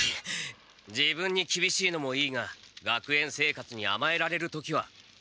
自分にきびしいのもいいが学園生活にあまえられる時はあまえてもいいのではないか？